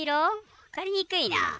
分かりにくいなあ。